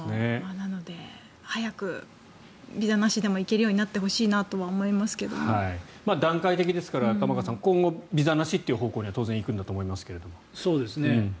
なので、早くビザなしでも行けるようになってほしいなと段階的ですから玉川さん今後、ビザなしという方向には当然行くんだと思いますけれど。